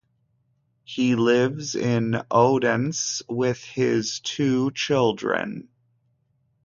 He lives in Odense with his two children.